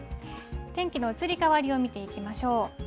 天気の移り変わりを見ていきましょう。